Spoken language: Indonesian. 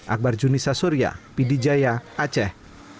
akbar junisa surya p d jaya aceh